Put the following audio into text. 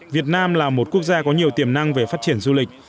việt nam là một quốc gia có nhiều tiềm năng về phát triển du lịch